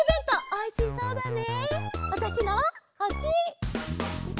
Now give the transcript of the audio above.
おいしそうだね。